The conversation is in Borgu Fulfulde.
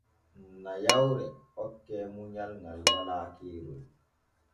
Nayawre hokke munyal ŋal walaa keerol.